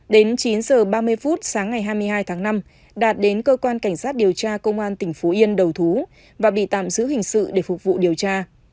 đến chín h ba mươi phút sáng ngày hai mươi hai tháng năm đạt đến cơ quan cảnh sát điều tra công an tỉnh phú yên đầu thú và bị tạm giữ hình sự để phục vụ điều tra